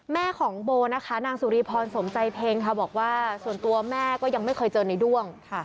แม่ของโบนะคะนางสุรีพรสมใจเพ็งค่ะบอกว่าส่วนตัวแม่ก็ยังไม่เคยเจอในด้วงค่ะ